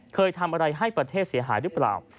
เคยทำอะไรให้ประเทศเสียหายหรือเปล่า